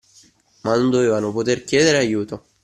Ma non dovevano poter chiedere aiuto.